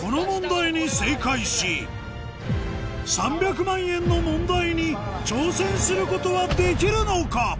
この問題に正解し３００万円の問題に挑戦することはできるのか？